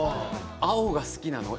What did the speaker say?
青が好きなの？